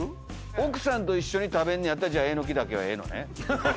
奥さんと一緒に食べんねやったらじゃあえのきだけがええのね。